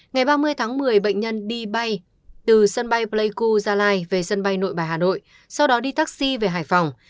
ngày ba mươi tháng một mươi bệnh nhân đi bay từ sân bay pleiku gia lai về sân bay nội bài hà nội sau đó đi taxi về hải phòng